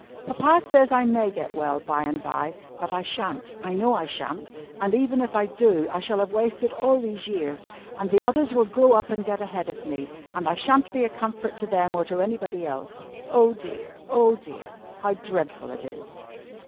Papa says I may get well by and by, but I sha'n't, I know I sha'n't. And even if I do, I shall have wasted all these years, and the others will grow up and get ahead of me, and I sha'n't be a comfort to them or to anybody else. Oh dear! oh dear! how dreadful it is!"